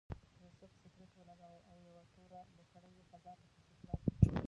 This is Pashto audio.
یوسف سګرټ ولګاوه او یوه توره لوخړه یې فضا ته خوشې کړه.